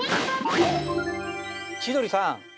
千鳥さん